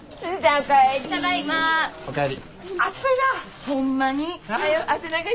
お帰り。